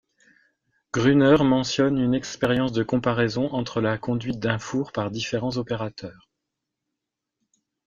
Grüner mentionne une expérience de comparaison entre la conduite d'un four par différents opérateurs.